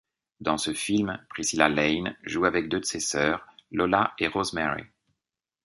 Dans ce film, Priscilla Lane joue avec deux de ses sœurs, Lola et Rosemary.